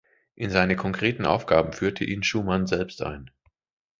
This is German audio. In seine konkreten Aufgaben führte ihn Schumann selbst ein.